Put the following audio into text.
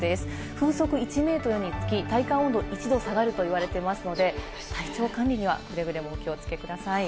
風速１メートルにつき体感温度が１度下がると言われていますので、体調管理にはくれぐれも気をつけください。